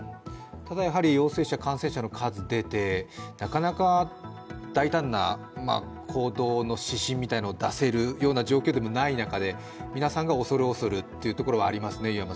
ただ、陽性者、感染者の数が出て、なかなか大胆な行動の指針みたいのを出せる状況でもない中で皆さんが恐る恐るというところはありますね。